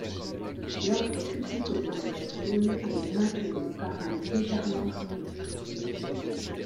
L'ordre public au sein de la zone est maintenue par un légèrement armé.